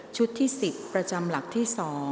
ที่๑๐ประจำหลักที่๒